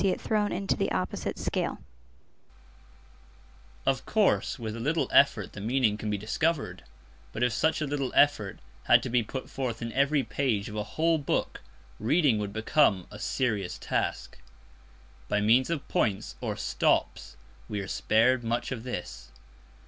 Of course, with a little effort the meaning can be discovered; but if such a little effort had to be put forth in every page of a whole book, reading would become a serious task. By means of points, or "stops," we are spared much of this.